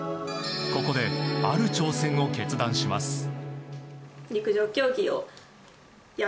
ここで、ある挑戦を決断します。